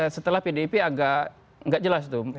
setelah pdip agak nggak jelas tuh